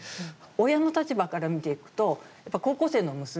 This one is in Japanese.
親の立場から見ていくとやっぱり、高校生の娘